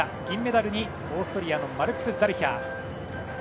銀メダルにオーストリアのマルクス・ザルヒャー。